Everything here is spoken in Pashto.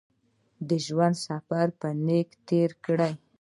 د ژوند سفر په نېکۍ تېر کړئ.